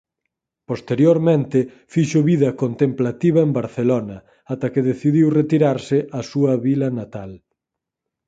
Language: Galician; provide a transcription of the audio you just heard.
Posteriormente fixo vida contemplativa en Barcelona ata que decidiu retirarse á súa vila natal.